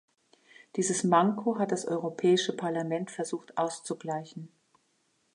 Dieses Manko hat das Europäische Parlament versucht auszugleichen.